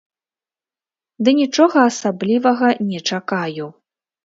Ды нічога асаблівага не чакаю.